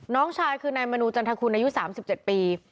น้องชายคือนายมนูจันทคุณอายุ๓๗ปี